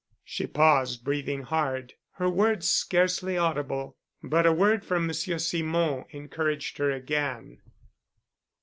She paused, breathing hard, her words scarcely audible. But a word from Monsieur Simon encouraged her again.